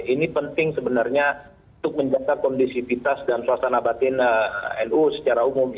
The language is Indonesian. ini penting sebenarnya untuk menjaga kondisivitas dan suasana batin nu secara umum